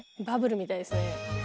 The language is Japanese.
バブルみたいですね。